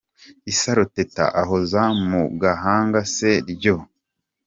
Isaro Teta ahoza mu gahanga se ryo.